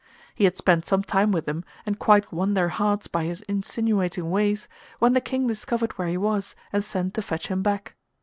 He had spent some time with them and quite won their hearts by his insinuating ways, when the King discovered where he was and sent to fetch him back.